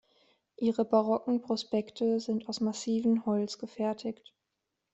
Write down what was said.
Ihre barocken Prospekte sind aus massiven Holz gefertigt.